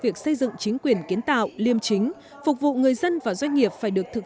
việc xây dựng chính quyền kiến tạo liêm chính phục vụ người dân và doanh nghiệp phải được thực